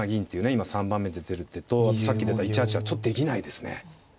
今３番目出てる手とあとさっき出た１八はちょっとできないですね。